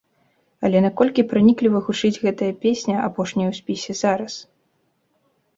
Але наколькі пранікліва гучыць гэтая песня, апошняя ў спісе, зараз?